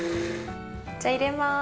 じゃあ入れまーす。